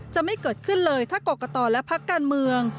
จะไม่เกิดขึ้นเลยถ้ากรกตและพักการเมือง